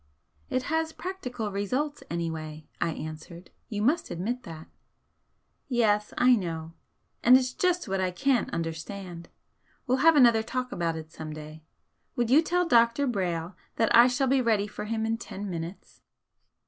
"It has practical results, anyway!" I answered "You must admit that." "Yes I know, and it's just what I can't understand. We'll have another talk about it some day. Would you tell Dr. Brayle that I shall be ready for him in ten minutes?"